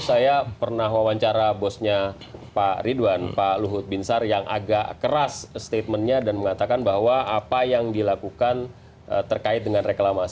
saya pernah wawancara bosnya pak ridwan pak luhut binsar yang agak keras statementnya dan mengatakan bahwa apa yang dilakukan terkait dengan reklamasi